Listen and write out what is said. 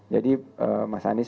jadi pak anies